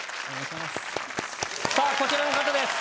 さぁこちらの方です。